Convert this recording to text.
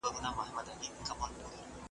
موږ پخپله دی ښکاري ته پر ورکړی ,